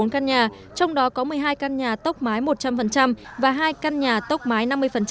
bốn căn nhà trong đó có một mươi hai căn nhà tốc mái một trăm linh và hai căn nhà tốc mái năm mươi